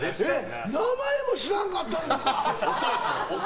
名前も知らんかったん？とか。